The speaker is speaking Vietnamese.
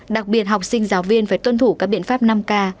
đặc biệt học sinh giáo viên phải tuân thủ các biện pháp năm k